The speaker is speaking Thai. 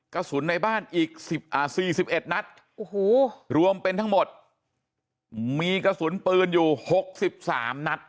กระสุนในบ้านอีก๔๑นัดรวมเป็นทั้งหมดมีกระสุนปืนอยู่๖๓นัด